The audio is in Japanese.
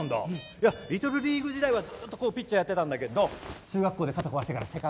いやリトルリーグ時代はずっとピッチャーやってたんだけど中学校で肩壊してからセカンドやるようになった。